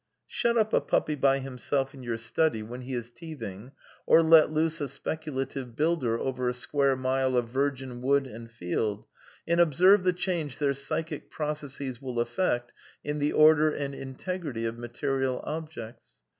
Shut up a puppy by himself in your study when he is ■* v^ SOME QUESTIONS OF PSYCHOLOGY 107 teething, or let loose a speculative builder over a square mile of virgin wood and field ; and observe the change their psychic processes v^ill effect in the order and integrity of material objects.